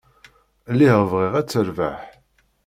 Lliɣ bɣiɣ ad terbeḥ.